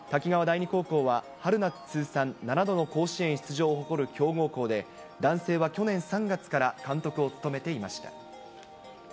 第二高校は春夏通算７度の甲子園出場を誇る強豪校で、男性は去年３月から監督を務めていました。